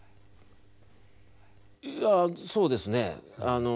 いやそうですね。